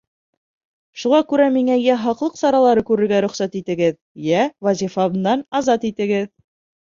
Шуға күрә миңә йә һаҡлыҡ саралары күрергә рөхсәт итегеҙ, йә вазифамдан азат итегеҙ.